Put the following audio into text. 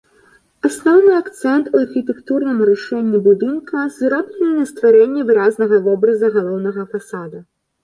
Асноўны акцэнт у архітэктурным рашэнні будынка зроблены на стварэнне выразнага вобраза галоўнага фасада.